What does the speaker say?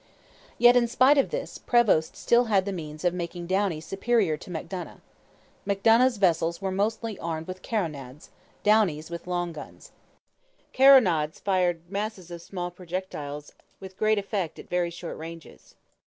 Yet, in spite of all this, Prevost still had the means of making Downie superior to Macdonough. Macdonough's vessels were mostly armed with carronades, Downie's with long guns. Carronades fired masses of small projectiles with great effect at very short ranges.